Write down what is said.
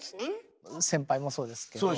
先輩もそうですけどはい。